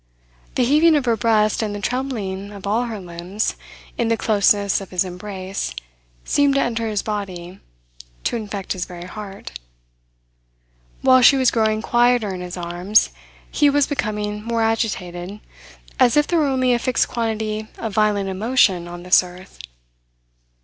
The heaving of her breast and the trembling of all her limbs, in the closeness of his embrace, seemed to enter his body, to infect his very heart. While she was growing quieter in his arms, he was becoming more agitated, as if there were only a fixed quantity of violent emotion on this earth.